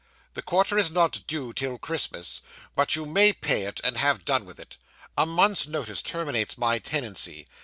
The quarter is not due till Christmas, but you may pay it, and have done with it. A month's notice terminates my tenancy.